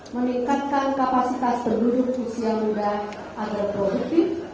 meningkatkan kapasitas penduduk usia muda agar produktif